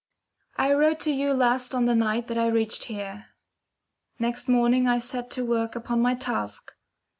I wrote to you last on the night that I reached here. Next morning I set to work upon my task.